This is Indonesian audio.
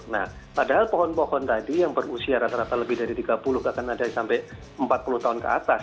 nah padahal pohon pohon tadi yang berusia rata rata lebih dari tiga puluh akan ada sampai empat puluh tahun ke atas